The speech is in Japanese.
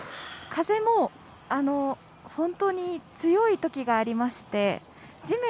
風も本当に強いときがありまして。